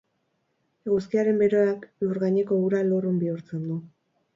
Eguzkiaren beroak lurgaineko ura lurrun bihurtzen du.